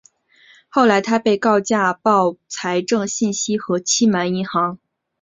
后来他被告假报财政信息和欺骗银行。